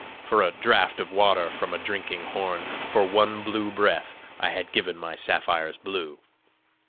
For a draught of water from a drinking horn, For one blue breath, I had given my sapphires blue!